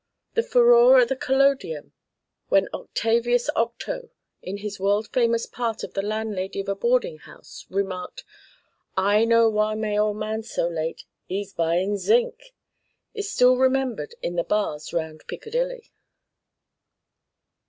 The furore at the Collodium when Octavius Octo, in his world famous part of the landlady of a boarding house, remarked, "I know why my ole man's so late. 'E's buying zinc," is still remembered in the bars round Piccadilly.